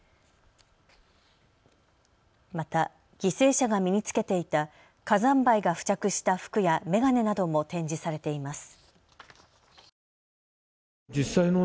また犠牲者が身に着けていた火山灰が付着した服や眼鏡なども展示されています。